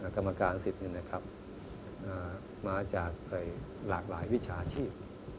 กรรมการสิทธิ์มาจากหลากหลายวิชาชีพ